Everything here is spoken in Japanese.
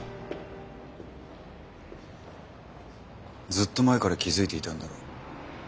ずっと前から気付いていたんだろう。